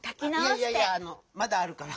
いやいやいやあのまだあるから。